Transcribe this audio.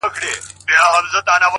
سپوږمۍ کي هم سته توسيرې! راته راوبهيدې!